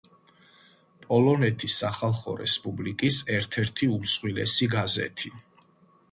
პოლონეთის სახალხო რესპუბლიკის ერთ-ერთი უმსხვილესი გაზეთი.